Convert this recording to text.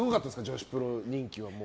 女子プロ人気は。